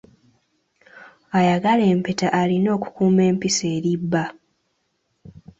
Ayagala empeta alina okukuuma empisa eri bba.